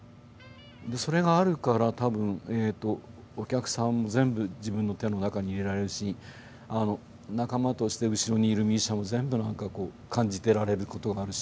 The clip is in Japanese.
それがあるから多分えっとお客さんも全部自分の手の中に入れられるし仲間として後ろにいるミュージシャンも全部なんかこう感じてられることがあるし。